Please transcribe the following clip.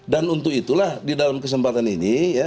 dan untuk itulah di dalam kesempatan ini